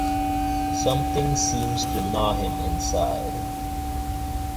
Something seemed to gnaw him inside.